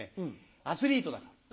アスリートだから。